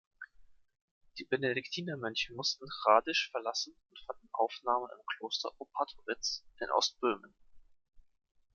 Die Benediktinermönche mussten Hradisch verlassen und fanden Aufnahme im Kloster Opatowitz in Ostböhmen.